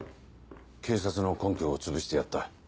警察の根拠をつぶしてやった。